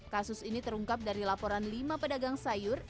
kasus ini terungkap dari laporan lima pedagang sayur